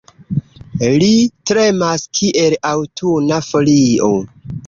Li tremas, kiel aŭtuna folio.